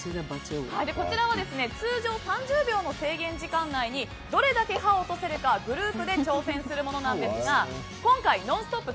こちらは通常３０秒の制限時間内にどれだけ歯を落とせるかグループで挑戦するものなんですが今回「ノンストップ！」